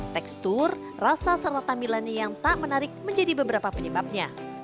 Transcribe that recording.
tekstur rasa serta tampilannya yang tak menarik menjadi beberapa penyebabnya